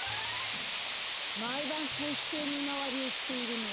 まいばんこうしてみまわりをしているの？